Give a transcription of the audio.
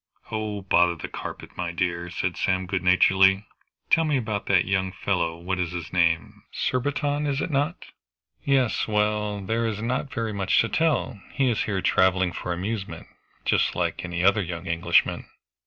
"Oh, bother the carpet, my dear," said Sam good naturedly; "tell me about that young fellow what is his name? Surbiton, is not it?" "Yes well, there is not very much to tell. He is here traveling for amusement, just like any other young Englishman.